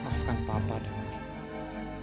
maafkan papa damir